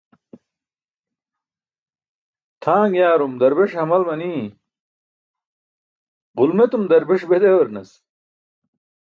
Tʰaaṅ yaarum darbeṣe hamal manii, ġulmetum darbeṣ be dewaranas.